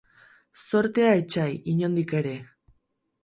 Zortea etsai, inondik ere.